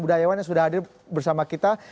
budayawan yang sudah hadir bersama kita